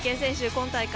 今大会